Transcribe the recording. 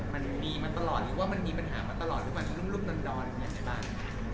มันมีมาตลอดหรือว่ามันมีปัญหามาตลอดหรือมันรุ่นดอนอย่างไรบ้าง